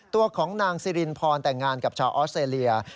ตัวของนางซิรินพรแต่งงานกับชาวออสเตรเลีย